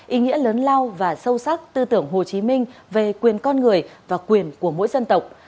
ý nghĩa lớn lao và sâu sắc tư tưởng hồ chí minh về quyền con người và quyền của mỗi dân tộc